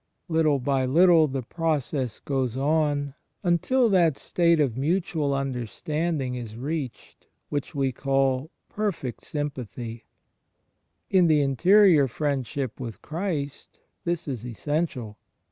Little by little the process goes on imtil that state of mutual 62 THE FRIENDSHIP OF CHRIST understanding is reached which we call "perfect sym pathy." In the interior friendship with Christ this is essential.